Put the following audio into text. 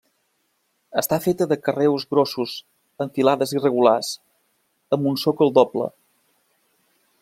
Està feta de carreus grossos amb filades irregulars, amb un sòcol doble.